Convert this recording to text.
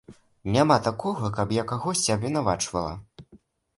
Няма такога, каб я кагосьці абвінавачвала.